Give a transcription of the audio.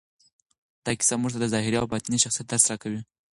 دا کیسه موږ ته د ظاهري او باطني شخصیت درس راکوي.